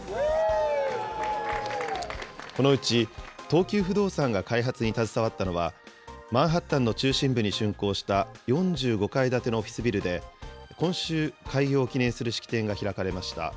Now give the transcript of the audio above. このうち、東急不動産が開発に携わったのは、マンハッタンの中心部にしゅんこうした４５階建てのオフィスビルで、今週、開業を記念する式典が開かれました。